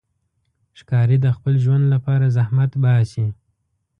ښکاري د خپل ژوند لپاره زحمت باسي.